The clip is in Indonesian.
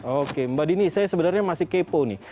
oke mbak dini saya sebenarnya masih kepo nih